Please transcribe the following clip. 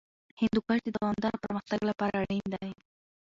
هندوکش د دوامداره پرمختګ لپاره اړین دی.